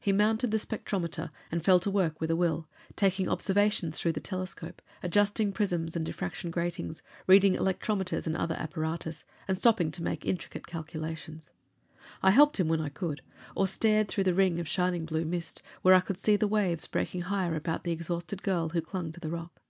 He mounted the spectrometer and fell to work with a will, taking observations through the telescope, adjusting prisms and diffraction gratings, reading electrometers and other apparatus, and stopping to make intricate calculations. I helped him when I could, or stared through the ring of shining blue mist, where I could see the waves breaking higher about the exhausted girl who clung to the rock.